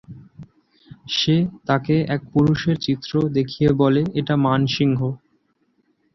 সে তাকে এক পুরুষের চিত্র দেখিয়ে বলে এটা মানসিংহ।